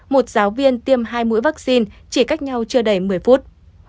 một giáo viên tiêm hai mũi vaccine chỉ cách nhau chưa đầy một mươi phút